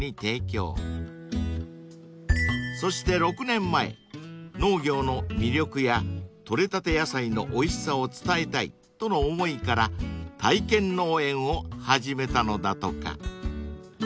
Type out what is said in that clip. ［そして６年前農業の魅力や取れたて野菜のおいしさを伝えたいとの思いから体験農園を始めたのだとか］